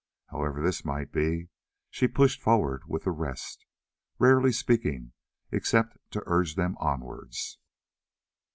However this might be, she pushed forward with the rest, rarely speaking except to urge them onwards.